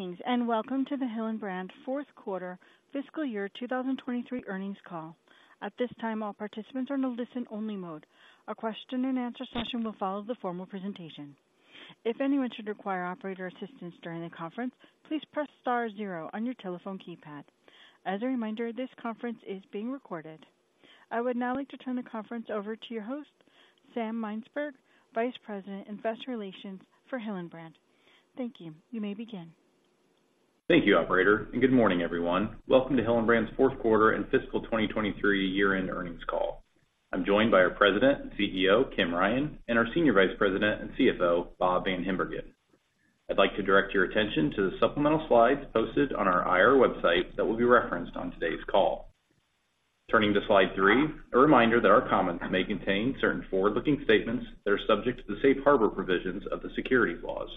Greetings, and welcome to the Hillenbrand fourth quarter fiscal year 2023 earnings call. At this time, all participants are in a listen-only mode. A question and answer session will follow the formal presentation. If anyone should require operator assistance during the conference, please press star zero on your telephone keypad. As a reminder, this conference is being recorded. I would now like to turn the conference over to your host, Sam Mynsberge, Vice President, Investor Relations for Hillenbrand. Thank you. You may begin. Thank you, Operator, and good morning, everyone. Welcome to Hillenbrand's fourth quarter and fiscal 2023 year-end earnings call. I'm joined by our President and CEO, Kim Ryan, and our Senior Vice President and CFO, Bob VanHimbergen. I'd like to direct your attention to the supplemental slides posted on our IR website that will be referenced on today's call. Turning to slide three, a reminder that our comments may contain certain forward-looking statements that are subject to the safe harbor provisions of the securities laws.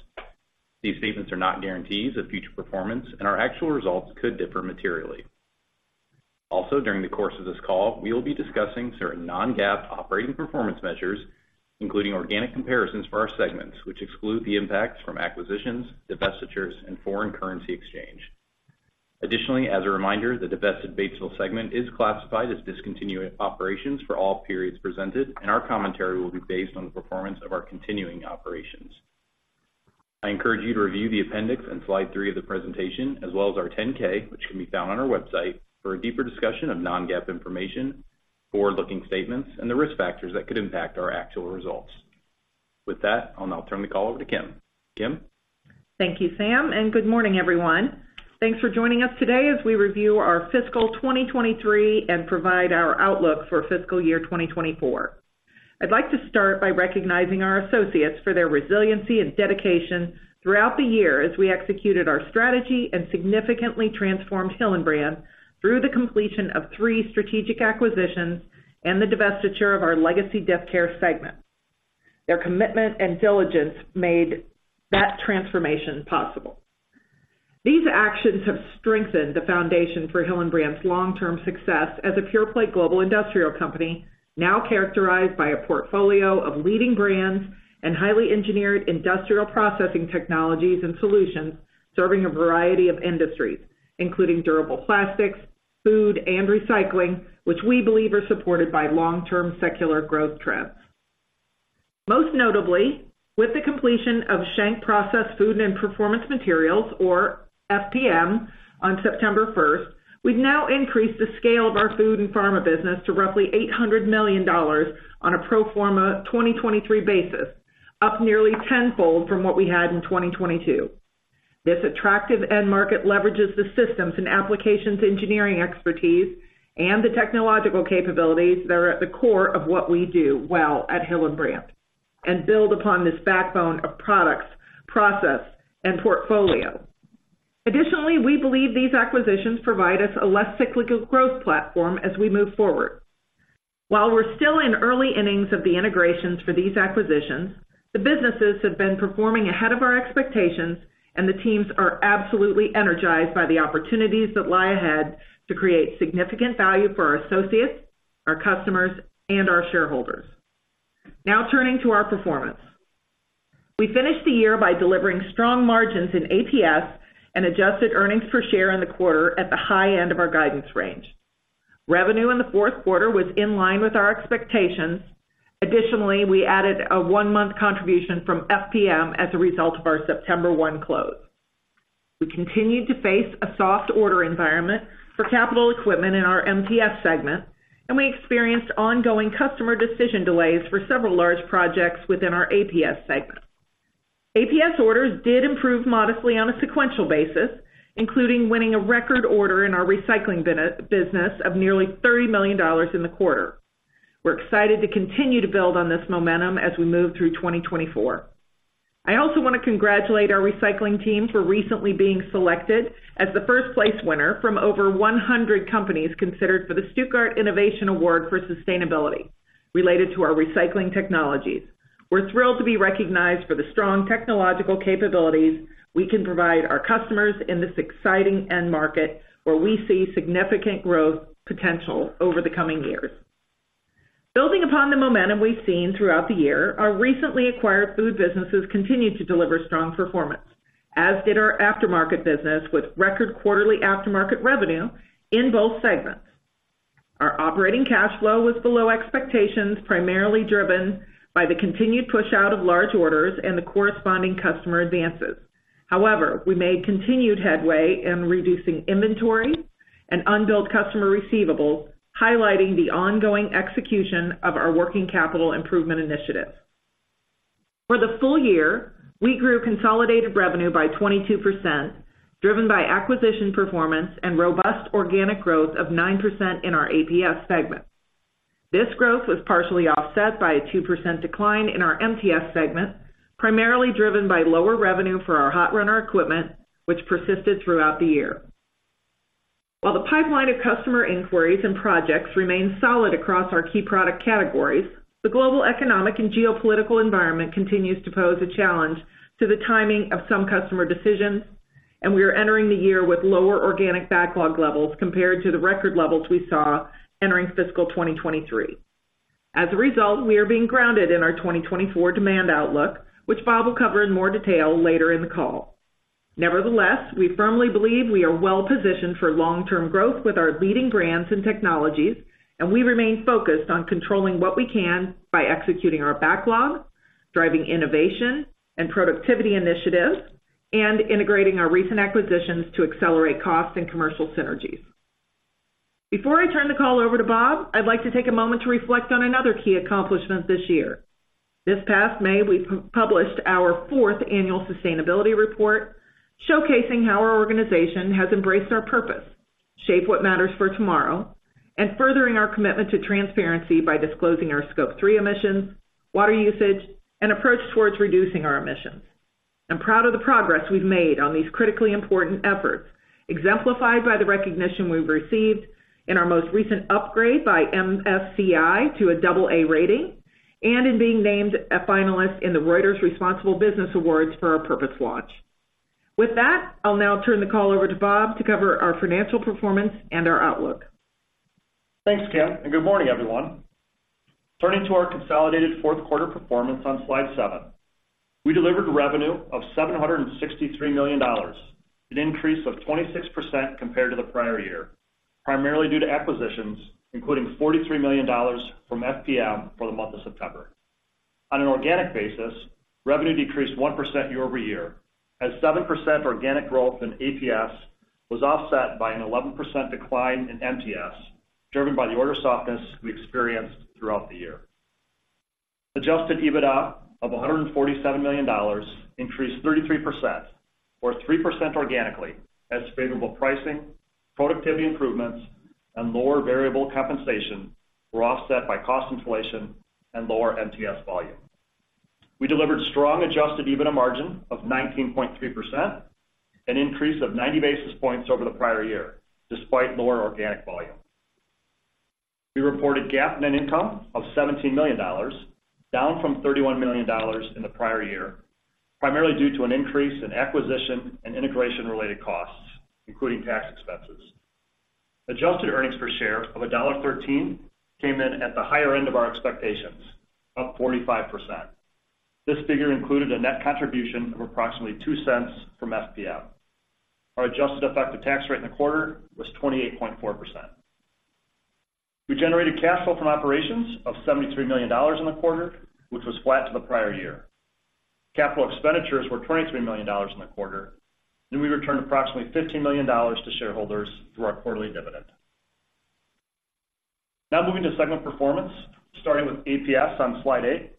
These statements are not guarantees of future performance, and our actual results could differ materially. Also, during the course of this call, we will be discussing certain non-GAAP operating performance measures, including organic comparisons for our segments, which exclude the impacts from acquisitions, divestitures, and foreign currency exchange. Additionally, as a reminder, the divested Batesville segment is classified as discontinued operations for all periods presented, and our commentary will be based on the performance of our continuing operations. I encourage you to review the appendix on slide three of the presentation, as well as our 10-K, which can be found on our website, for a deeper discussion of non-GAAP information, forward-looking statements, and the risk factors that could impact our actual results. With that, I'll now turn the call over to Kim. Kim? Thank you, Sam, and good morning, everyone. Thanks for joining us today as we review our fiscal 2023 and provide our outlook for fiscal year 2024. I'd like to start by recognizing our associates for their resiliency and dedication throughout the year as we executed our strategy and significantly transformed Hillenbrand through the completion of three strategic acquisitions and the divestiture of our legacy death care segment. Their commitment and diligence made that transformation possible. These actions have strengthened the foundation for Hillenbrand's long-term success as a pure-play global industrial company, now characterized by a portfolio of leading brands and highly engineered industrial processing technologies and solutions, serving a variety of industries, including durable plastics, food, and recycling, which we believe are supported by long-term secular growth trends. Most notably, with the completion of Schenck Process Food and Performance Materials or FPM on September 1st, we've now increased the scale of our food and pharma business to roughly $800 million on a pro forma 2023 basis, up nearly tenfold from what we had in 2022. This attractive end market leverages the systems and applications, engineering expertise, and the technological capabilities that are at the core of what we do well at Hillenbrand and build upon this backbone of products, process, and portfolio. Additionally, we believe these acquisitions provide us a less cyclical growth platform as we move forward. While we're still in early innings of the integrations for these acquisitions, the businesses have been performing ahead of our expectations, and the teams are absolutely energized by the opportunities that lie ahead to create significant value for our associates, our customers, and our shareholders. Now, turning to our performance. We finished the year by delivering strong margins in APS and adjusted earnings per share in the quarter at the high end of our guidance range. Revenue in the fourth quarter was in line with our expectations. Additionally, we added a one-month contribution from FPM as a result of our September 1 close. We continued to face a soft order environment for capital equipment in our MTS segment, and we experienced ongoing customer decision delays for several large projects within our APS segment. APS orders did improve modestly on a sequential basis, including winning a record order in our recycling business of nearly $30 million in the quarter. We're excited to continue to build on this momentum as we move through 2024. I also want to congratulate our recycling team for recently being selected as the first place winner from over 100 companies considered for the Stuttgart Innovation Award for Sustainability, related to our recycling technologies. We're thrilled to be recognized for the strong technological capabilities we can provide our customers in this exciting end market, where we see significant growth potential over the coming years. Building upon the momentum we've seen throughout the year, our recently acquired food businesses continued to deliver strong performance, as did our aftermarket business, with record quarterly aftermarket revenue in both segments. Our operating cash flow was below expectations, primarily driven by the continued pushout of large orders and the corresponding customer advances. However, we made continued headway in reducing inventory and unbilled customer receivables, highlighting the ongoing execution of our working capital improvement initiatives. For the full year, we grew consolidated revenue by 22%, driven by acquisition, performance, and robust organic growth of 9% in our APS segment. This growth was partially offset by a 2% decline in our MTS segment, primarily driven by lower revenue for our hot runner equipment, which persisted throughout the year. While the pipeline of customer inquiries and projects remains solid across our key product categories, the global economic and geopolitical environment continues to pose a challenge to the timing of some customer decisions, and we are entering the year with lower organic backlog levels compared to the record levels we saw entering fiscal 2023. As a result, we are being grounded in our 2024 demand outlook, which Bob will cover in more detail later in the call. Nevertheless, we firmly believe we are well-positioned for long-term growth with our leading brands and technologies, and we remain focused on controlling what we can by executing our backlog, driving innovation and productivity initiatives, and integrating our recent acquisitions to accelerate cost and commercial synergies. Before I turn the call over to Bob, I'd like to take a moment to reflect on another key accomplishment this year. This past May, we published our fourth annual sustainability report, showcasing how our organization has embraced our purpose, Shape What Matters for Tomorrow, and furthering our commitment to transparency by disclosing our Scope 3 emissions, water usage, and approach towards reducing our emissions. I'm proud of the progress we've made on these critically important efforts, exemplified by the recognition we've received in our most recent upgrade by MSCI to a AA rating, and in being named a finalist in the Reuters Responsible Business Awards for our purpose launch. With that, I'll now turn the call over to Bob to cover our financial performance and our outlook. Thanks, Kim, and good morning, everyone. Turning to our consolidated fourth quarter performance on slide seven. We delivered revenue of $763 million, an increase of 26% compared to the prior year, primarily due to acquisitions, including $43 million from FPM for the month of September. On an organic basis, revenue decreased 1% year-over-year, as 7% organic growth in APS was offset by an 11% decline in MTS, driven by the order softness we experienced throughout the year. Adjusted EBITDA of $147 million increased 33% or 3% organically, as favorable pricing, productivity improvements, and lower variable compensation were offset by cost inflation and lower MTS volume. We delivered strong adjusted EBITDA margin of 19.3%, an increase of 90 basis points over the prior year, despite lower organic volume. We reported GAAP net income of $17 million, down from $31 million in the prior year, primarily due to an increase in acquisition and integration-related costs, including tax expenses. Adjusted earnings per share of $1.13 came in at the higher end of our expectations, up 45%. This figure included a net contribution of approximately $0.02 from FPM. Our adjusted effective tax rate in the quarter was 28.4%. We generated cash flow from operations of $73 million in the quarter, which was flat to the prior year. Capital expenditures were $23 million in the quarter, and we returned approximately $15 million to shareholders through our quarterly dividend. Now moving to segment performance, starting with APS on slide eight.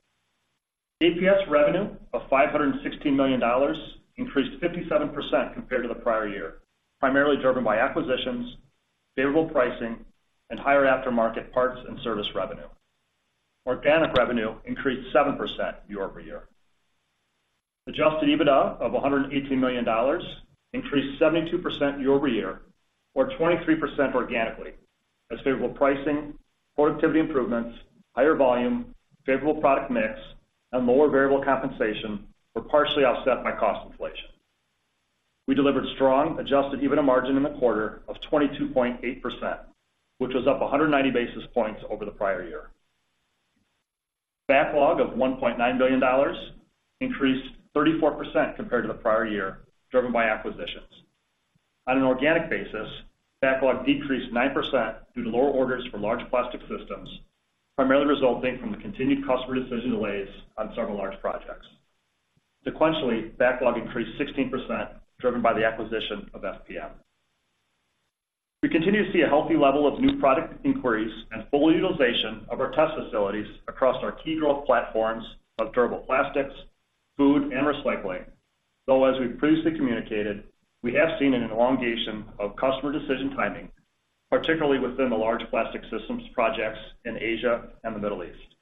APS revenue of $516 million increased 57% compared to the prior year, primarily driven by acquisitions, favorable pricing, and higher aftermarket parts and service revenue. Organic revenue increased 7% year-over-year. Adjusted EBITDA of $118 million increased 72% year-over-year, or 23% organically, as favorable pricing, productivity improvements, higher volume, favorable product mix, and lower variable compensation were partially offset by cost inflation. We delivered strong adjusted EBITDA margin in the quarter of 22.8%, which was up 190 basis points over the prior year. Backlog of $1.9 billion increased 34% compared to the prior year, driven by acquisitions. On an organic basis, backlog decreased 9% due to lower orders for large plastic systems, primarily resulting from the continued customer decision delays on several large projects. Sequentially, backlog increased 16%, driven by the acquisition of FPM. We continue to see a healthy level of new product inquiries and full utilization of our test facilities across our key growth platforms of durable plastics, food, and recycling, though, as we've previously communicated, we have seen an elongation of customer decision timing, particularly within the large plastic systems projects in Asia and the Middle East.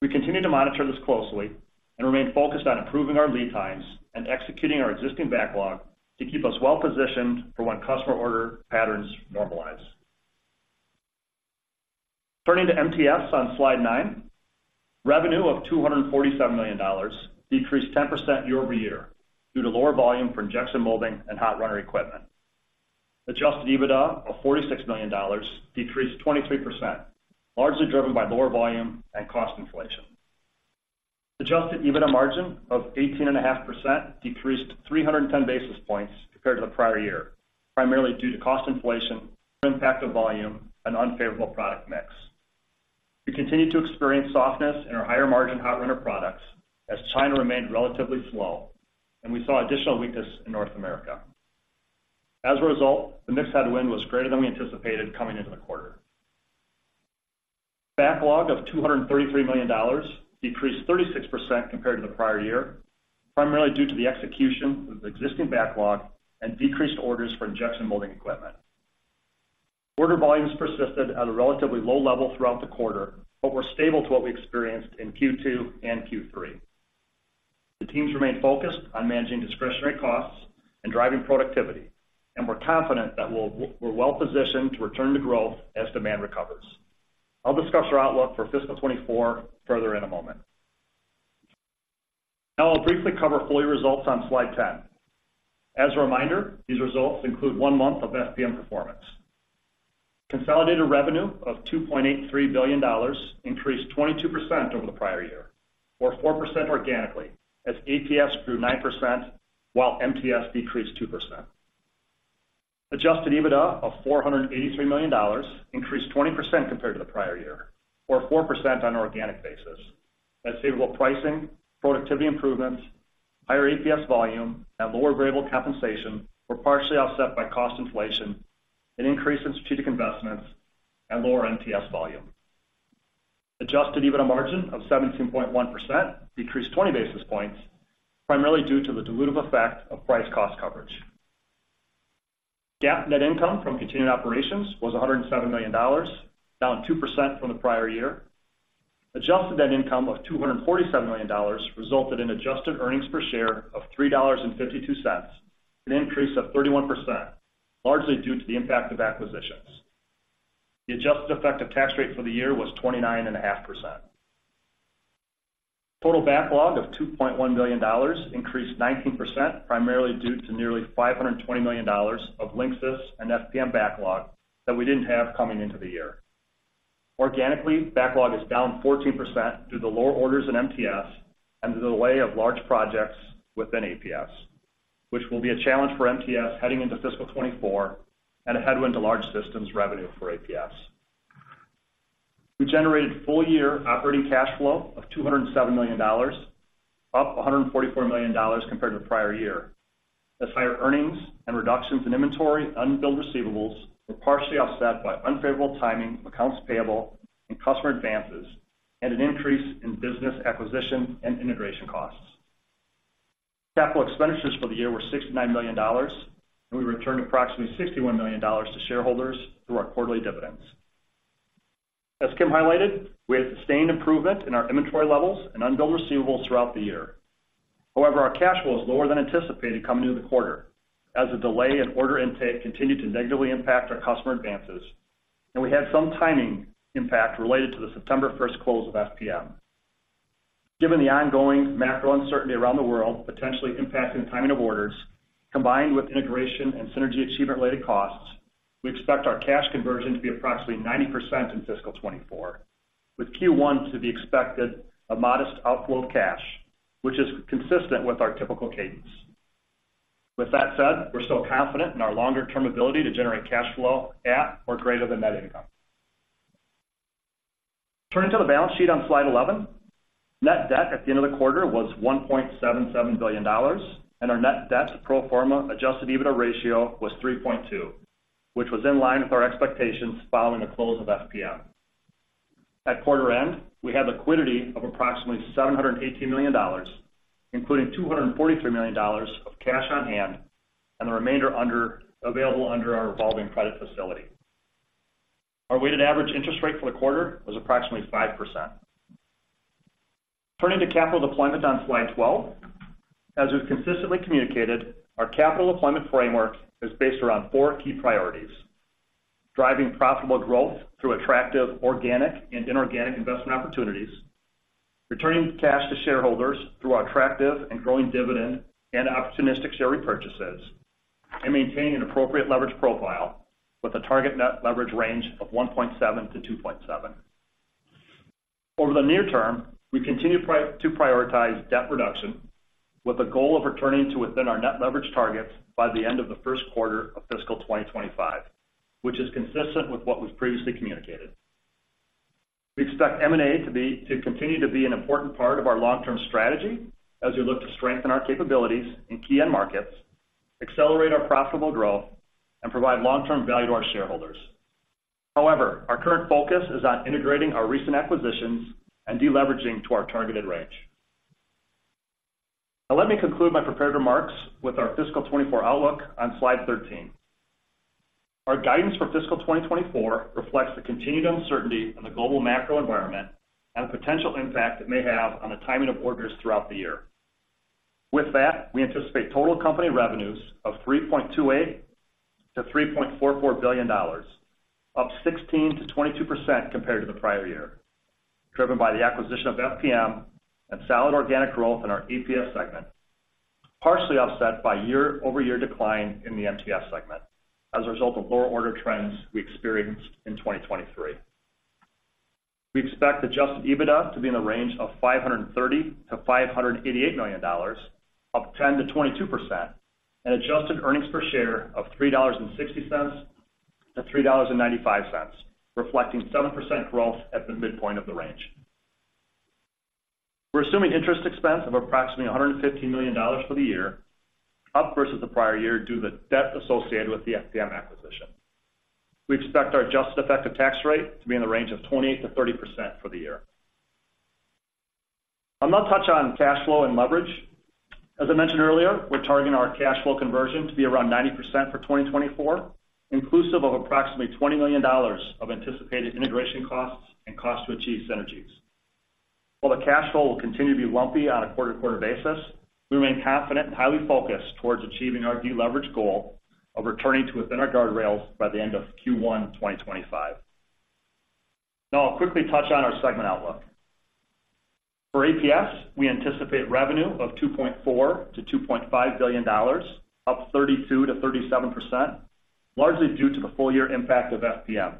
We continue to monitor this closely and remain focused on improving our lead times and executing our existing backlog to keep us well-positioned for when customer order patterns normalize. Turning to MTS on slide nine, revenue of $247 million decreased 10% year-over-year due to lower volume for injection molding and hot runner equipment. Adjusted EBITDA of $46 million decreased 23%, largely driven by lower volume and cost inflation. Adjusted EBITDA margin of 18.5% decreased 310 basis points compared to the prior year, primarily due to cost inflation, impact of volume, and unfavorable product mix. We continued to experience softness in our higher-margin hot runner products as China remained relatively slow, and we saw additional weakness in North America. As a result, the mix headwind was greater than we anticipated coming into the quarter. Backlog of $233 million decreased 36% compared to the prior year, primarily due to the execution of the existing backlog and decreased orders for Injection Molding equipment. Order volumes persisted at a relatively low level throughout the quarter, but were stable to what we experienced in Q2 and Q3. The teams remain focused on managing discretionary costs and driving productivity, and we're confident that we're well positioned to return to growth as demand recovers. I'll discuss our outlook for fiscal 2024 further in a moment. Now I'll briefly cover full year results on slide 10. As a reminder, these results include one month of FPM performance. Consolidated revenue of $2.83 billion increased 22% over the prior year, or 4% organically, as APS grew 9%, while MTS decreased 2%. Adjusted EBITDA of $483 million increased 20% compared to the prior year, or 4% on an organic basis. As favorable pricing, productivity improvements, higher APS volume, and lower variable compensation were partially offset by cost inflation, an increase in strategic investments, and lower MTS volume. Adjusted EBITDA margin of 17.1% decreased 20 basis points, primarily due to the dilutive effect of price cost coverage. GAAP net income from continued operations was $107 million, down 2% from the prior year. Adjusted net income of $247 million resulted in adjusted earnings per share of $3.52, an increase of 31%, largely due to the impact of acquisitions. The adjusted effective tax rate for the year was 29.5%. Total backlog of $2.1 billion increased 19%, primarily due to nearly $520 million of Linxis and FPM backlog that we didn't have coming into the year. Organically, backlog is down 14% due to lower orders in MTS and the delay of large projects within APS, which will be a challenge for MTS heading into fiscal 2024, and a headwind to large systems revenue for APS. We generated full year operating cash flow of $207 million, up $144 million compared to the prior year, as higher earnings and reductions in inventory, unbilled receivables were partially offset by unfavorable timing of accounts payable and customer advances, and an increase in business acquisition and integration costs. Capital expenditures for the year were $69 million, and we returned approximately $61 million to shareholders through our quarterly dividends. As Kim highlighted, we had sustained improvement in our inventory levels and unbilled receivables throughout the year. However, our cash flow is lower than anticipated coming into the quarter, as the delay in order intake continued to negatively impact our customer advances, and we had some timing impact related to the September 1st close of FPM. Given the ongoing macro uncertainty around the world, potentially impacting the timing of orders, combined with integration and synergy achievement-related costs, we expect our cash conversion to be approximately 90% in fiscal 2024, with Q1 to be expected a modest outflow of cash, which is consistent with our typical cadence. With that said, we're still confident in our longer-term ability to generate cash flow at or greater than net income. Turning to the balance sheet on slide 11. Net debt at the end of the quarter was $1.77 billion, and our net debt to pro forma adjusted EBITDA ratio was 3.2, which was in line with our expectations following the close of FPM. At quarter end, we had liquidity of approximately $718 million, including $243 million of cash on hand and the remainder available under our revolving credit facility. Our weighted average interest rate for the quarter was approximately 5%. Turning to capital deployment on slide 12. As we've consistently communicated, our capital deployment framework is based around four key priorities: driving profitable growth through attractive, organic and inorganic investment opportunities, returning cash to shareholders through our attractive and growing dividend and opportunistic share repurchases, and maintaining an appropriate leverage profile with a target net leverage range of 1.7-2.7. Over the near term, we continue to prioritize debt reduction, with a goal of returning to within our net leverage targets by the end of the first quarter of fiscal 2025, which is consistent with what was previously communicated. We expect M&A to continue to be an important part of our long-term strategy as we look to strengthen our capabilities in key end markets, accelerate our profitable growth, and provide long-term value to our shareholders. However, our current focus is on integrating our recent acquisitions and deleveraging to our targeted range. Now, let me conclude my prepared remarks with our fiscal 2024 outlook on slide 13. Our guidance for fiscal 2024 reflects the continued uncertainty in the global macro environment and the potential impact it may have on the timing of orders throughout the year. With that, we anticipate total company revenues of $3.28 billion-$3.44 billion, up 16%-22% compared to the prior year, driven by the acquisition of FPM and solid organic growth in our APS segment, partially offset by year-over-year decline in the MTS segment as a result of lower order trends we experienced in 2023. We expect adjusted EBITDA to be in the range of $530 million-$588 million, up 10%-22%, and adjusted earnings per share of $3.60-$3.95, reflecting 7% growth at the midpoint of the range. We're assuming interest expense of approximately $150 million for the year, up versus the prior year, due to the debt associated with the FPM acquisition. We expect our adjusted effective tax rate to be in the range of 20%-30% for the year. I'll now touch on cash flow and leverage. As I mentioned earlier, we're targeting our cash flow conversion to be around 90% for 2024, inclusive of approximately $20 million of anticipated integration costs and costs to achieve synergies. While the cash flow will continue to be lumpy on a quarter-to-quarter basis, we remain confident and highly focused towards achieving our deleverage goal of returning to within our guardrails by the end of Q1 2025. Now, I'll quickly touch on our segment outlook. For APS, we anticipate revenue of $2.4 billion-$2.5 billion, up 32%-37%, largely due to the full year impact of FPM.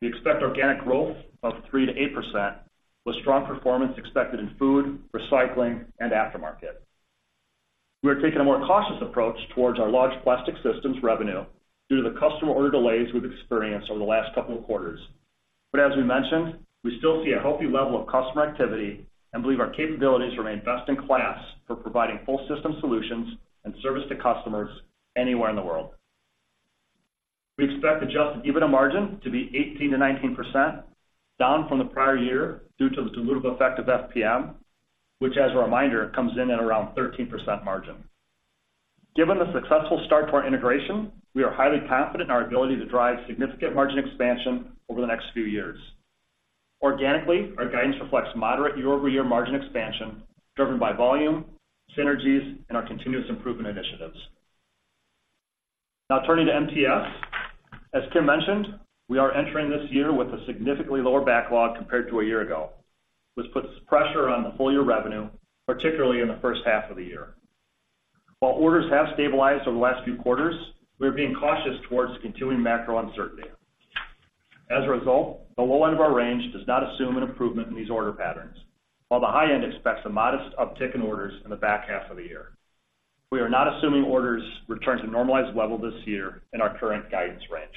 We expect organic growth of 3%-8%, with strong performance expected in food, recycling, and aftermarket. We are taking a more cautious approach towards our large plastic systems revenue due to the customer order delays we've experienced over the last couple of quarters. But as we mentioned, we still see a healthy level of customer activity and believe our capabilities remain best in class for providing full system solutions and service to customers anywhere in the world. We expect adjusted EBITDA margin to be 18%-19%, down from the prior year due to the dilutive effect of FPM, which, as a reminder, comes in at around 13% margin. Given the successful start to our integration, we are highly confident in our ability to drive significant margin expansion over the next few years. Organically, our guidance reflects moderate year-over-year margin expansion, driven by volume, synergies, and our continuous improvement initiatives. Now turning to MTS. As Kim mentioned, we are entering this year with a significantly lower backlog compared to a year ago, which puts pressure on the full year revenue, particularly in the first half of the year. While orders have stabilized over the last few quarters, we are being cautious towards the continuing macro uncertainty. As a result, the low end of our range does not assume an improvement in these order patterns, while the high end expects a modest uptick in orders in the back half of the year. We are not assuming orders return to normalized level this year in our current guidance range.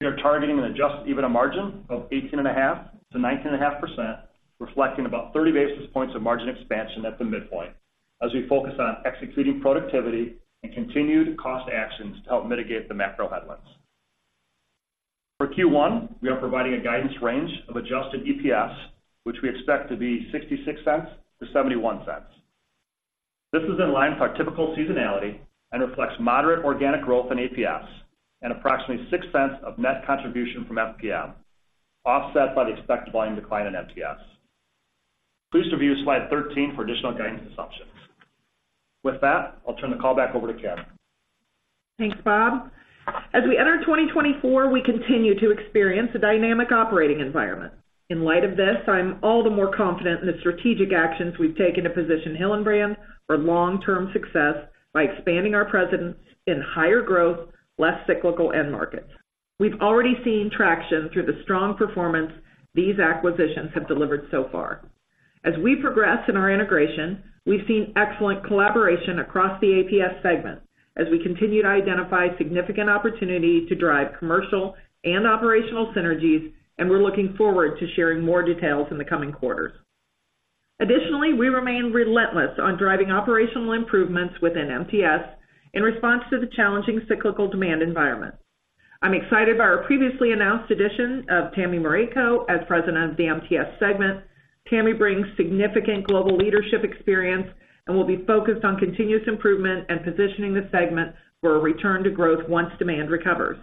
We are targeting an adjusted EBITDA margin of 18.5%-19.5%, reflecting about 30 basis points of margin expansion at the midpoint, as we focus on executing productivity and continued cost actions to help mitigate the macro headwinds. For Q1, we are providing a guidance range of adjusted EPS, which we expect to be $0.66-$0.71. This is in line with our typical seasonality and reflects moderate organic growth in APS and approximately $0.06 of net contribution from FPM, offset by the expected volume decline in MTS. Please review slide 13 for additional guidance assumptions. With that, I'll turn the call back over to Kim. Thanks, Bob. As we enter 2024, we continue to experience a dynamic operating environment. In light of this, I'm all the more confident in the strategic actions we've taken to position Hillenbrand for long-term success by expanding our presence in higher growth, less cyclical end markets. We've already seen traction through the strong performance these acquisitions have delivered so far. As we progress in our integration, we've seen excellent collaboration across the APS segment as we continue to identify significant opportunity to drive commercial and operational synergies, and we're looking forward to sharing more details in the coming quarters. Additionally, we remain relentless on driving operational improvements within MTS in response to the challenging cyclical demand environment. I'm excited by our previously announced addition of Tammi Morytko as President of the MTS segment. Tammi brings significant global leadership experience and will be focused on continuous improvement and positioning the segment for a return to growth once demand recovers.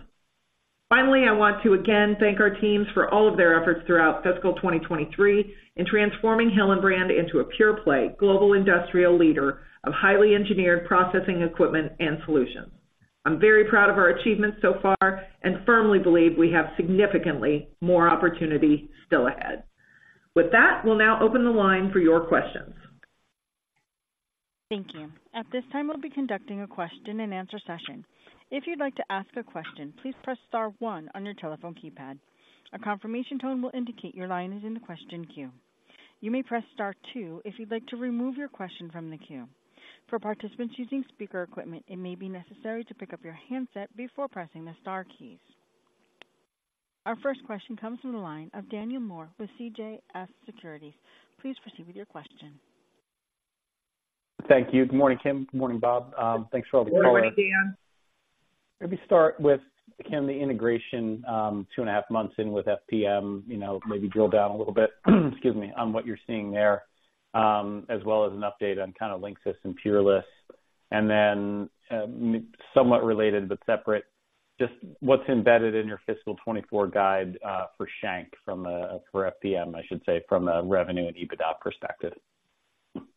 Finally, I want to again thank our teams for all of their efforts throughout fiscal 2023 in transforming Hillenbrand into a pure-play global industrial leader of highly engineered processing equipment and solutions. I'm very proud of our achievements so far and firmly believe we have significantly more opportunity still ahead. With that, we'll now open the line for your questions. Thank you. At this time, we'll be conducting a question-and-answer session. If you'd like to ask a question, please press star one on your telephone keypad. A confirmation tone will indicate your line is in the question queue. You may press star two if you'd like to remove your question from the queue. For participants using speaker equipment, it may be necessary to pick up your handset before pressing the star keys. Our first question comes from the line of Daniel Moore with CJS Securities. Please proceed with your question. Thank you. Good morning, Kim. Good morning, Bob. Thanks for all the color. Good morning, Dan. Let me start with, Kim, the integration, two and a half months in with FPM, you know, maybe drill down a little bit, excuse me, on what you're seeing there, as well as an update on kind of Linxis and Peerless. And then, somewhat related, but separate, just what's embedded in your fiscal 2024 guide, for Schenck from, for FPM, I should say, from a revenue and EBITDA perspective?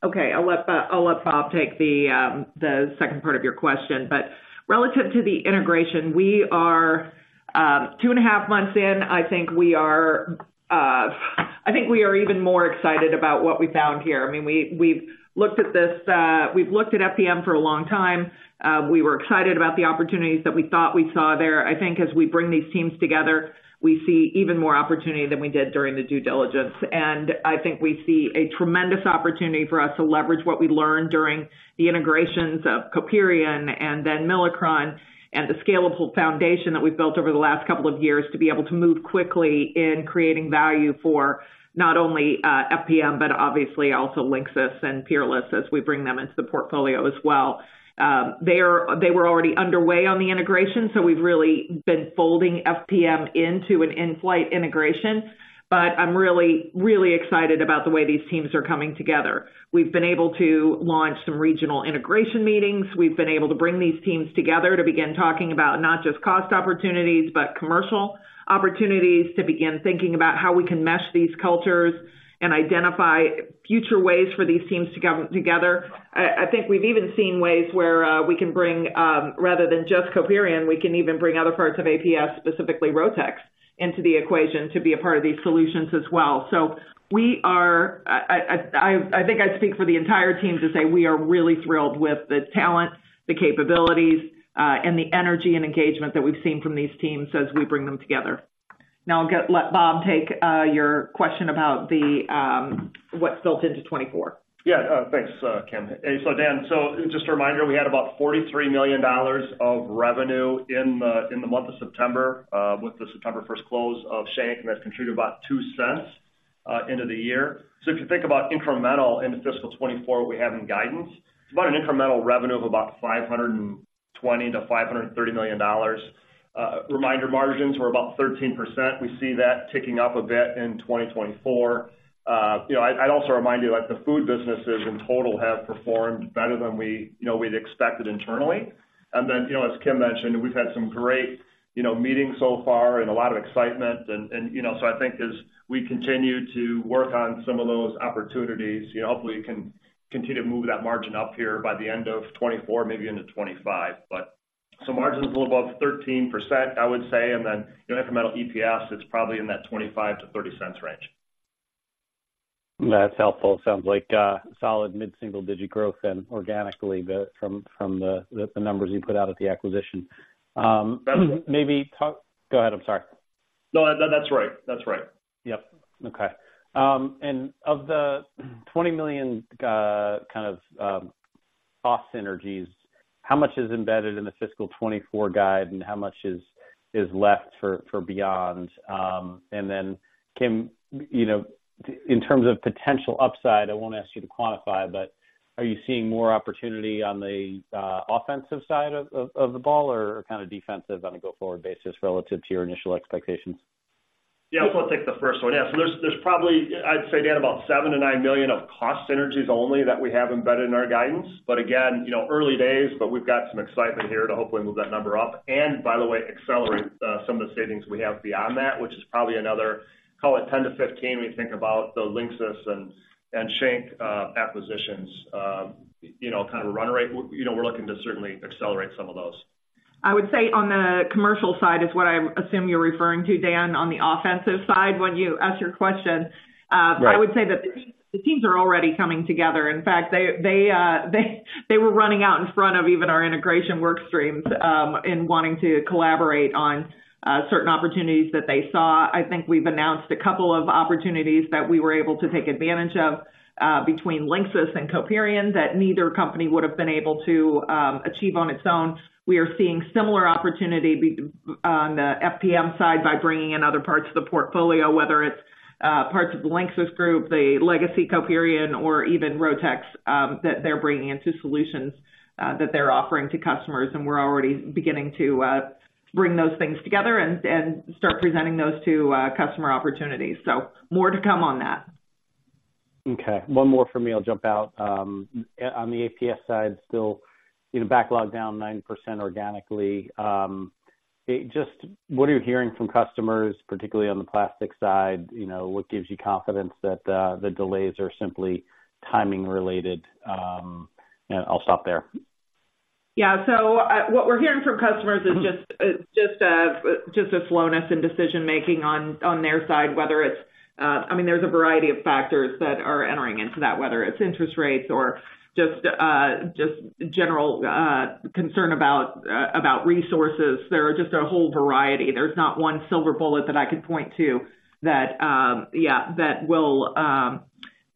Okay. I'll let, I'll let Bob take the, the second part of your question. But relative to the integration, we are, 2.5 months in. I think we are, I think we are even more excited about what we found here. I mean, we, we've looked at this, we've looked at FPM for a long time. We were excited about the opportunities that we thought we saw there. I think as we bring these teams together, we see even more opportunity than we did during the due diligence. I think we see a tremendous opportunity for us to leverage what we learned during the integrations of Coperion and then Milacron, and the scalable foundation that we've built over the last couple of years to be able to move quickly in creating value for not only FPM, but obviously also Linxis and Peerless as we bring them into the portfolio as well. They were already underway on the integration, so we've really been folding FPM into an in-flight integration. But I'm really, really excited about the way these teams are coming together. We've been able to launch some regional integration meetings. We've been able to bring these teams together to begin talking about not just cost opportunities, but commercial opportunities, to begin thinking about how we can mesh these cultures and identify future ways for these teams to come together. I think we've even seen ways where we can bring, rather than just Coperion, we can even bring other parts of APS, specifically Rotex, into the equation to be a part of these solutions as well. So we are... I think I speak for the entire team to say we are really thrilled with the talent, the capabilities, and the energy and engagement that we've seen from these teams as we bring them together. Now I'll let Bob take your question about what's built into 2024. Yeah, thanks, Kim. Hey, so Dan, so just a reminder, we had about $43 million of revenue in the month of September with the September first close of Schenck, and that contributed about $0.02 into the year. So if you think about incremental into fiscal 2024, what we have in guidance, it's about an incremental revenue of about $520 million-$530 million. Reminder, margins were about 13%. We see that ticking up a bit in 2024. You know, I'd also remind you that the food businesses in total have performed better than we, you know, we'd expected internally. Then, you know, as Kim mentioned, we've had some great, you know, meetings so far and a lot of excitement and, you know, so I think as we continue to work on some of those opportunities, you know, hopefully we can continue to move that margin up here by the end of 2024, maybe into 2025. But so margins a little above 13%, I would say. Then, you know, incremental EPS, it's probably in that $0.25-$0.30 range. That's helpful. Sounds like, solid mid-single-digit growth then organically, from the numbers you put out at the acquisition. That's- Maybe talk... Go ahead, I'm sorry. No, that, that's right. That's right. Yep. Okay. And of the $20 million, kind of, cost synergies, how much is embedded in the fiscal 2024 guide, and how much is left for beyond? And then, Kim, you know, in terms of potential upside, I won't ask you to quantify, but are you seeing more opportunity on the, offensive side of the ball or kind of defensive on a go-forward basis relative to your initial expectations? Yeah. So I'll take the first one. Yeah, so there's probably, I'd say, Dan, about $7 million-$9 million of cost synergies only that we have embedded in our guidance. But again, you know, early days, but we've got some excitement here to hopefully move that number up. And by the way, accelerate some of the savings we have beyond that, which is probably another, call it $10 million-$15 million, when you think about the Linxis and Schenck acquisitions, you know, kind of run rate. You know, we're looking to certainly accelerate some of those. I would say on the commercial side is what I assume you're referring to, Dan, on the offensive side, when you asked your question. Right. I would say that the teams, the teams are already coming together. In fact, they were running out in front of even our integration work streams, in wanting to collaborate on certain opportunities that they saw. I think we've announced a couple of opportunities that we were able to take advantage of, between Linxis and Coperion, that neither company would have been able to achieve on its own. We are seeing similar opportunity on the FPM side by bringing in other parts of the portfolio, whether it's parts of the Linxis group, the legacy Coperion, or even Rotex, that they're bringing into solutions that they're offering to customers. And we're already beginning to bring those things together and start presenting those to customer opportunities. So more to come on that. Okay, one more from me, I'll jump out. On the APS side, still, you know, backlog down 9% organically. Just what are you hearing from customers, particularly on the plastics side? You know, what gives you confidence that the delays are simply timing related? And I'll stop there. Yeah. So, what we're hearing from customers is just a slowness in decision making on their side, whether it's... I mean, there's a variety of factors that are entering into that, whether it's interest rates or just general concern about resources. There are just a whole variety. There's not one silver bullet that I could point to that, yeah, that will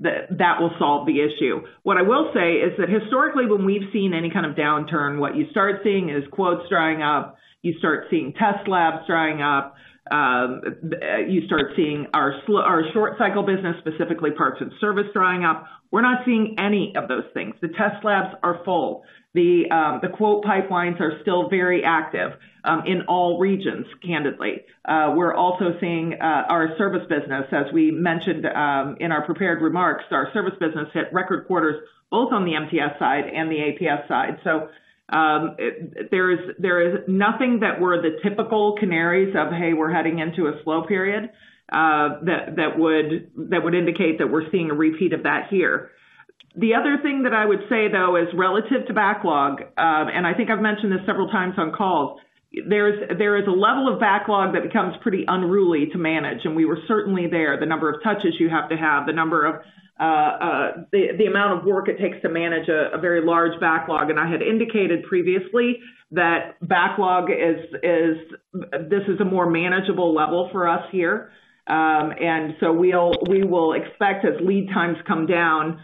solve the issue. What I will say is that historically, when we've seen any kind of downturn, what you start seeing is quotes drying up. You start seeing test labs drying up. You start seeing our short cycle business, specifically parts and service, drying up. We're not seeing any of those things. The test labs are full. The quote pipelines are still very active in all regions, candidly. We're also seeing our service business, as we mentioned, in our prepared remarks, our service business hit record quarters, both on the MTS side and the APS side. So, there is nothing that were the typical canaries of, "Hey, we're heading into a slow period," that would indicate that we're seeing a repeat of that here. The other thing that I would say, though, is relative to backlog, and I think I've mentioned this several times on calls, there is a level of backlog that becomes pretty unruly to manage, and we were certainly there. The number of touches you have to have, the amount of work it takes to manage a very large backlog. I had indicated previously that backlog is. This is a more manageable level for us here. And so we will expect, as lead times come down,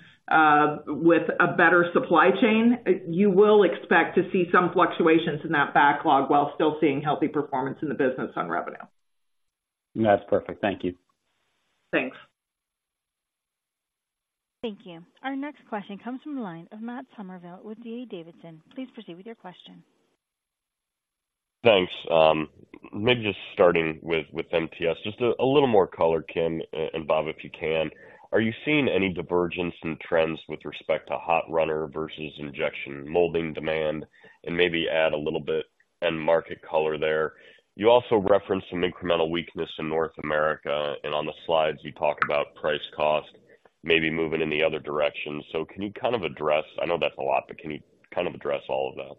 with a better supply chain, you will expect to see some fluctuations in that backlog while still seeing healthy performance in the business on revenue. That's perfect. Thank you. Thanks. Thank you. Our next question comes from the line of Matt Summerville with D.A. Davidson. Please proceed with your question. Thanks. Maybe just starting with MTS, just a little more color, Kim and Bob, if you can. Are you seeing any divergence in trends with respect to hot runner versus injection molding demand? And maybe add a little bit end market color there. You also referenced some incremental weakness in North America, and on the slides, you talk about price cost maybe moving in the other direction. So can you kind of address... I know that's a lot, but can you kind of address all of that?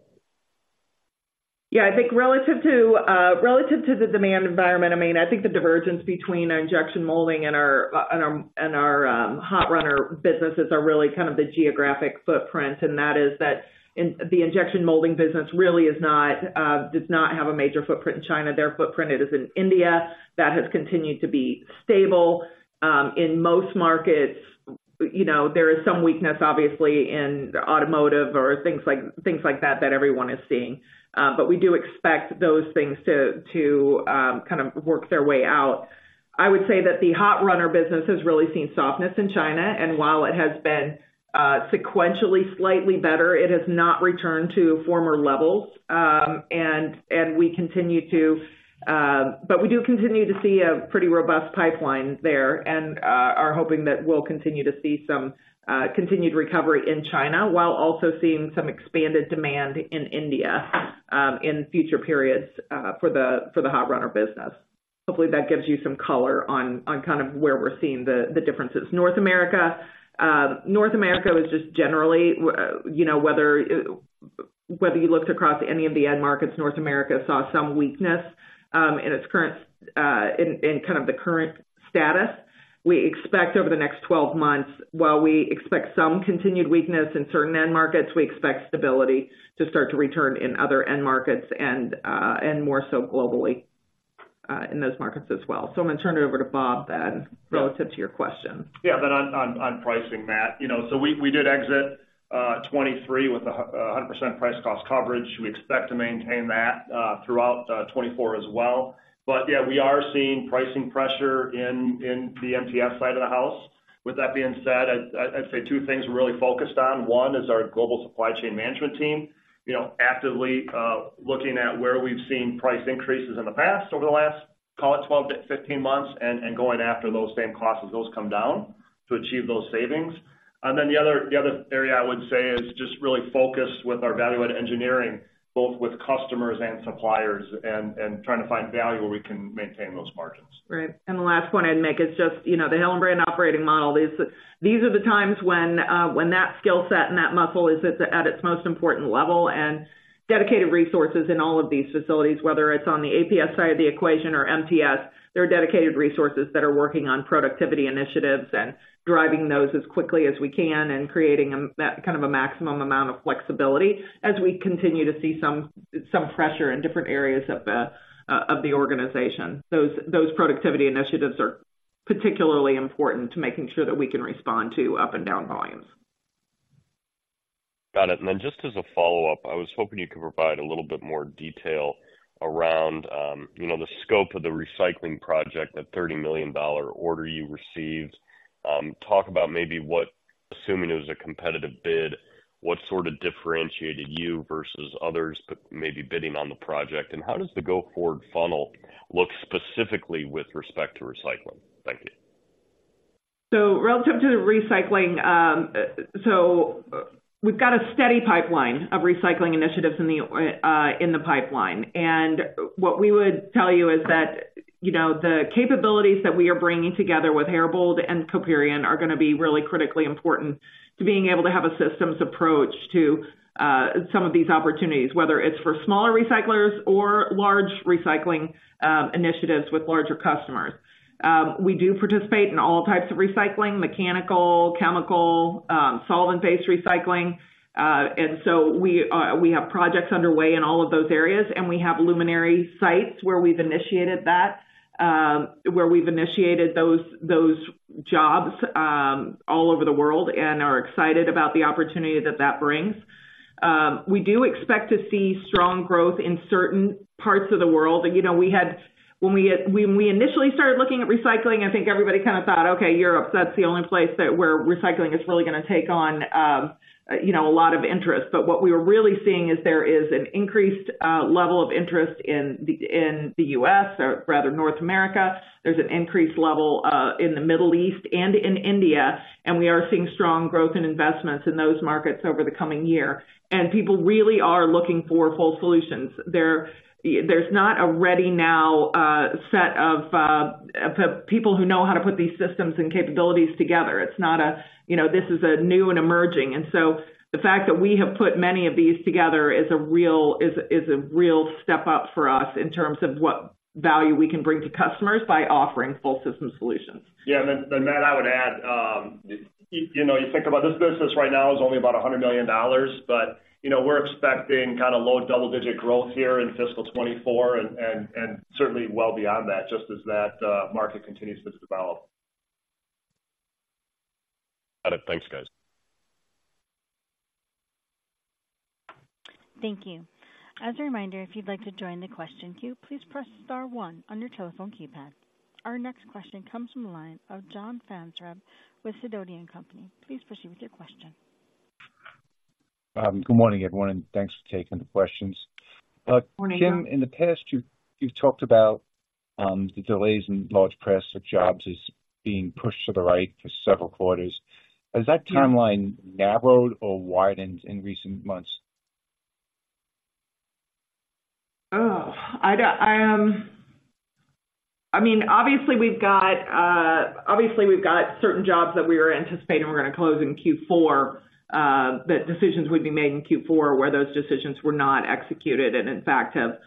Yeah, I think relative to relative to the demand environment, I mean, I think the divergence between our injection molding and our and our and our hot runner businesses are really kind of the geographic footprint, and that is that in the injection molding business really is not does not have a major footprint in China. Their footprint it is in India. That has continued to be stable in most markets. You know, there is some weakness, obviously, in automotive or things like, things like that, that everyone is seeing. But we do expect those things to to kind of work their way out. I would say that the hot runner business has really seen softness in China, and while it has been sequentially slightly better, it has not returned to former levels. And and we continue to... But we do continue to see a pretty robust pipeline there and are hoping that we'll continue to see some continued recovery in China, while also seeing some expanded demand in India in future periods for the hot runner business. Hopefully, that gives you some color on kind of where we're seeing the differences. North America, North America was just generally, you know, whether whether you looked across any of the end markets, North America saw some weakness in its current in kind of the current status. We expect over the next 12 months, while we expect some continued weakness in certain end markets, we expect stability to start to return in other end markets and more so globally in those markets as well. I'm going to turn it over to Bob then, relative to your question. Yeah, but on pricing, Matt, you know, so we did exit 2023 with a 100% price cost coverage. We expect to maintain that throughout 2024 as well. But yeah, we are seeing pricing pressure in the MTS side of the house. With that being said, I'd say two things we're really focused on. One is our global supply chain management team, you know, actively looking at where we've seen price increases in the past, over the last, call it 12-15 months, and going after those same costs as those come down to achieve those savings. And then the other area I would say is just really focused with our value add engineering, both with customers and suppliers and trying to find value where we can maintain those margins. Right. And the last point I'd make is just, you know, the Hillenbrand operating model. These, these are the times when, when that skill set and that muscle is at the, at its most important level, and dedicated resources in all of these facilities, whether it's on the APS side of the equation or MTS, there are dedicated resources that are working on productivity initiatives and driving those as quickly as we can and creating a, that kind of a maximum amount of flexibility as we continue to see some, some pressure in different areas of the, of the organization. Those, those productivity initiatives are particularly important to making sure that we can respond to up and down volumes. Got it. And then just as a follow-up, I was hoping you could provide a little bit more detail around, you know, the scope of the recycling project, that $30 million order you received. Talk about maybe what, assuming it was a competitive bid, what sort of differentiated you versus others, but maybe bidding on the project, and how does the go-forward funnel look specifically with respect to recycling? Thank you. So relative to the recycling, we've got a steady pipeline of recycling initiatives in the pipeline. What we would tell you is that, you know, the capabilities that we are bringing together with Herbold and Coperion are going to be really critically important to being able to have a systems approach to some of these opportunities, whether it's for smaller recyclers or large recycling initiatives with larger customers. We do participate in all types of recycling, mechanical, chemical, solvent-based recycling. And so we have projects underway in all of those areas, and we have lighthouse sites where we've initiated those jobs all over the world and are excited about the opportunity that that brings. We do expect to see strong growth in certain parts of the world. You know, when we initially started looking at recycling, I think everybody kind of thought, okay, Europe, that's the only place that where recycling is really going to take on, you know, a lot of interest. But what we were really seeing is there is an increased level of interest in the, in the U.S., or rather, North America. There's an increased level in the Middle East and in India, and we are seeing strong growth in investments in those markets over the coming year. And people really are looking for whole solutions. There's not a ready now set of people who know how to put these systems and capabilities together. It's not a, you know, this is a new and emerging. The fact that we have put many of these together is a real step up for us in terms of what value we can bring to customers by offering full system solutions. Yeah, and then Matt, I would add, you know, you think about this business right now is only about $100 million, but, you know, we're expecting kind of low double-digit growth here in fiscal 2024 and certainly well beyond that, just as that market continues to develop. Got it. Thanks, guys. Thank you. As a reminder, if you'd like to join the question queue, please press star one on your telephone keypad. Our next question comes from the line of John Franzreb with Sidoti & Company. Please proceed with your question. Good morning, everyone, and thanks for taking the questions. Good morning, John. Kim, in the past, you've talked about the delays in large plastic jobs as being pushed to the right for several quarters. Yeah. Has that timeline narrowed or widened in recent months? Oh, I don't, I, I mean, obviously we've got, obviously we've got certain jobs that we were anticipating we're gonna close in Q4, that decisions would be made in Q4, where those decisions were not executed, and in fact, have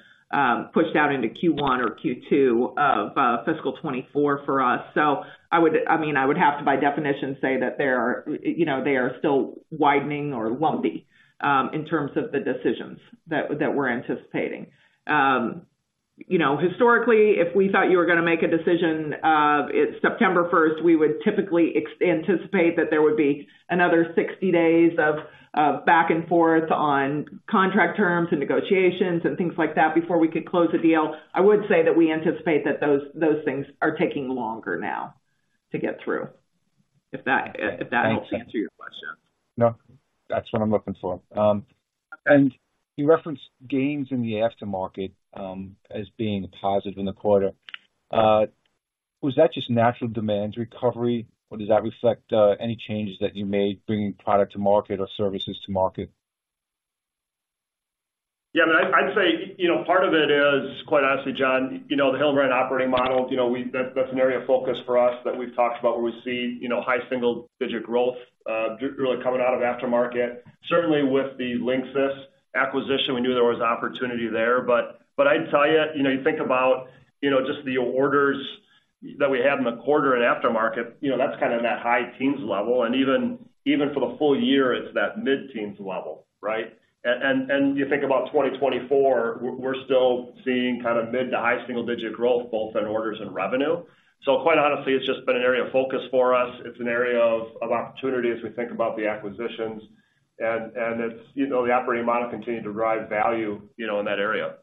pushed out into Q1 or Q2 of fiscal 2024 for us. So I would, I mean, I would have to, by definition, say that they are, you know, they are still widening or lumpy, in terms of the decisions that, that we're anticipating. You know, historically, if we thought you were gonna make a decision of it's September first, we would typically anticipate that there would be another 60 days of back and forth on contract terms and negotiations and things like that before we could close a deal. I would say that we anticipate that those things are taking longer now to get through, if that helps to answer your question. No, that's what I'm looking for. You referenced gains in the aftermarket, as being a positive in the quarter. Was that just natural demand recovery, or does that reflect any changes that you made bringing product to market or services to market? Yeah, but I'd say, you know, part of it is, quite honestly, John, you know, the Hillenbrand operating model, you know, we, that, that's an area of focus for us that we've talked about, where we see, you know, high single-digit growth, really coming out of aftermarket. Certainly, with the Linxis acquisition, we knew there was opportunity there. But I'd tell you, you know, you think about, you know, just the orders that we had in the quarter and aftermarket, you know, that's kind of in that high teens level, and even for the full year, it's that mid-teens level, right? And you think about 2024, we're still seeing kind of mid- to high single-digit growth, both in orders and revenue. So quite honestly, it's just been an area of focus for us. It's an area of opportunity as we think about the acquisitions. It's, you know, the operating model continued to drive value, you know, in that area.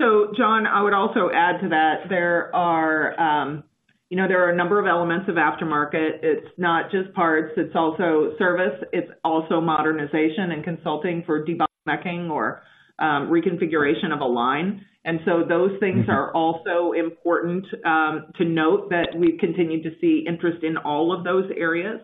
So, John, I would also add to that, there are, you know, there are a number of elements of aftermarket. It's not just parts, it's also service, it's also modernization and consulting for debottlenecking or reconfiguration of a line. And so those things are also important to note that we've continued to see interest in all of those areas.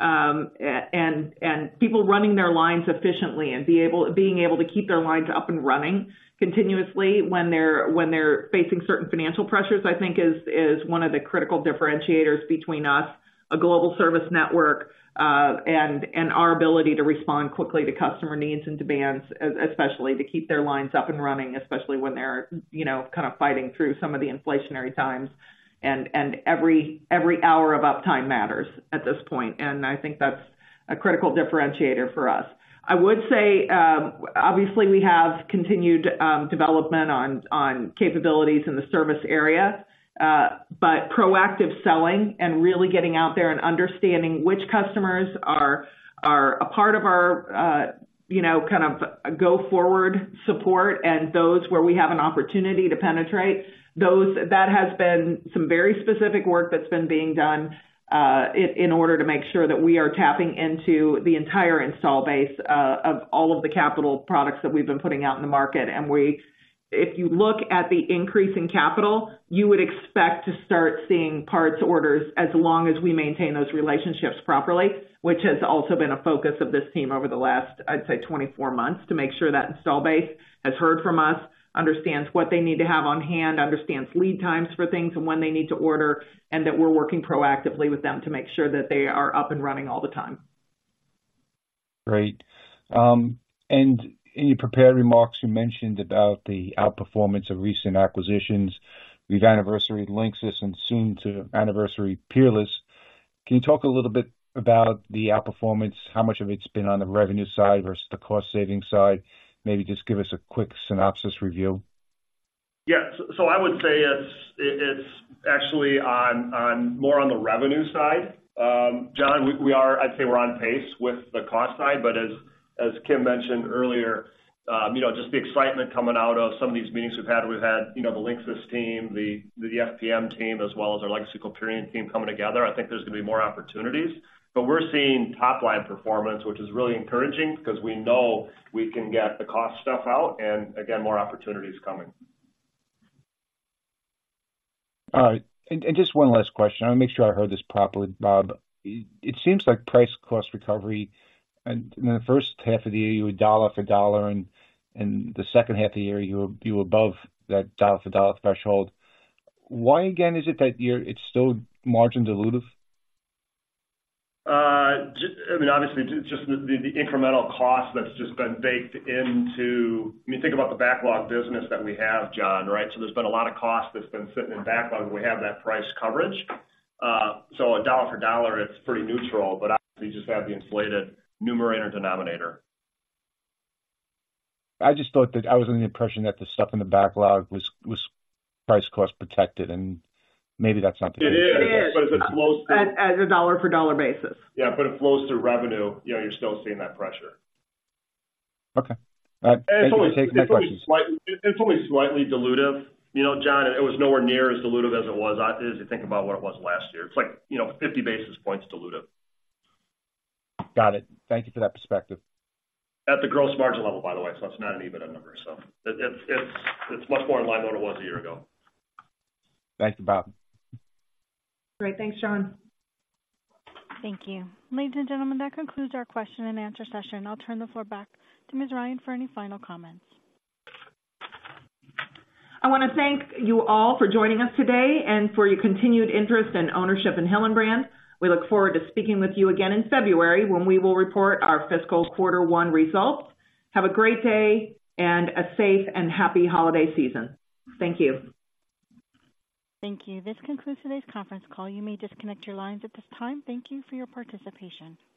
And people running their lines efficiently and being able to keep their lines up and running continuously when they're facing certain financial pressures, I think is one of the critical differentiators between us, a global service network, and our ability to respond quickly to customer needs and demands, especially to keep their lines up and running, especially when they're, you know, kind of fighting through some of the inflationary times. And every hour of uptime matters at this point, and I think that's a critical differentiator for us. I would say, obviously, we have continued development on capabilities in the service area, but proactive selling and really getting out there and understanding which customers are a part of our, you know, kind of go-forward support, and those where we have an opportunity to penetrate. Those, that has been some very specific work that's been being done, in order to make sure that we are tapping into the entire install base, of all of the capital products that we've been putting out in the market. If you look at the increase in capital, you would expect to start seeing parts orders as long as we maintain those relationships properly, which has also been a focus of this team over the last, I'd say, 24 months, to make sure that installed base has heard from us, understands what they need to have on hand, understands lead times for things and when they need to order, and that we're working proactively with them to make sure that they are up and running all the time. Great. And in your prepared remarks, you mentioned about the outperformance of recent acquisitions. We've anniversary Linxis and soon to anniversary Peerless. Can you talk a little bit about the outperformance? How much of it's been on the revenue side versus the cost-saving side? Maybe just give us a quick synopsis review. Yeah. So I would say it's actually more on the revenue side. John, we are. I'd say we're on pace with the cost side, but as Kim mentioned earlier, you know, just the excitement coming out of some of these meetings we've had, you know, the Linxis team, the FPM team, as well as our legacy Coperion team coming together. I think there's going to be more opportunities, but we're seeing top line performance, which is really encouraging because we know we can get the cost stuff out and again, more opportunities coming. All right. Just one last question. I want to make sure I heard this properly, Bob. It seems like price cost recovery in the first half of the year, you were dollar for dollar, and the second half of the year, you were above that dollar for dollar threshold. Why again, is it that you're, it's still margin dilutive? I mean, obviously, just the incremental cost that's just been baked into... I mean, think about the backlog business that we have, John, right? So there's been a lot of cost that's been sitting in backlog. We have that price coverage. So a dollar for dollar, it's pretty neutral, but obviously you just have the inflated numerator, denominator. I just thought that I was under the impression that the stuff in the backlog was price cost protected, and maybe that's not the case. It is. But it flows- At a dollar-for-dollar basis. Yeah, but it flows through revenue, you know, you're still seeing that pressure. Okay. Thank you. That takes my questions. It's only slightly, it's only slightly dilutive. You know, John, it was nowhere near as dilutive as it was as you think about what it was last year. It's like, you know, 50 basis points dilutive. Got it. Thank you for that perspective. At the gross margin level, by the way, so it's not an EBITDA number. So it's much more in line than it was a year ago. Thanks, Bob. Great. Thanks, John. Thank you. Ladies and gentlemen, that concludes our question and answer session. I'll turn the floor back to Ms. Ryan for any final comments. I want to thank you all for joining us today and for your continued interest and ownership in Hillenbrand. We look forward to speaking with you again in February, when we will report our fiscal quarter one results. Have a great day and a safe and happy holiday season. Thank you. Thank you. This concludes today's conference call. You may disconnect your lines at this time. Thank you for your participation.